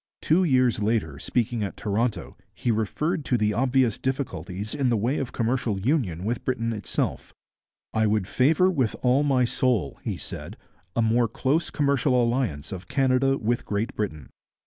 Two years later, speaking at Toronto, he referred to the obvious difficulties in the way of commercial union with Britain itself. 'I would favour with all my soul,' he said, 'a more close commercial alliance of Canada with Great Britain.